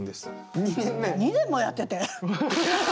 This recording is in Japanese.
２年もやってて？